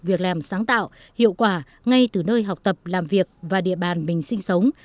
việc làm sáng tạo hiệu quả ngay từ nơi học tập làm việc và địa bàn mình sinh sống